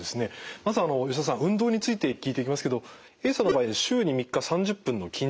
まずあの吉田さん運動について聞いていきますけどＡさんの場合週に３日３０分の筋トレでした。